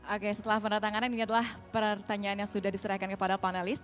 oke setelah peneretanganan ini adalah pertanyaan yang sudah diserahkan kepada panelis